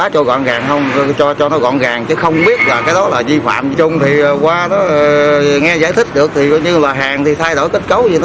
học sinh sinh viên